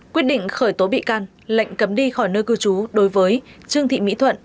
quyết định khởi tố bị can lệnh cấm đi khỏi nơi cư trú đối với trương thị mỹ thuận